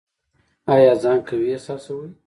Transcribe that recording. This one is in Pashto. ایا ځان قوي احساسوئ؟